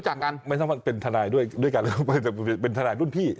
อ่าไม่ต้องเป็นทนายด้วยกันเป็นทนายรุ่นพี่